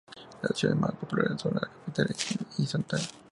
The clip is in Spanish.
Las ciudades más populosas son la capital y Santana.